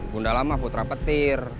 gundala mah putra petir